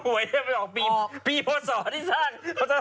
ปลาหมึกแท้เต่าทองอร่อยทั้งชนิดเส้นบดเต็มตัว